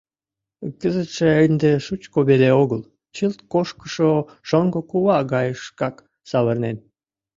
Кызытше ынде шучко веле огыл, чылт кошкышо шоҥго кува гайышкак савырнен.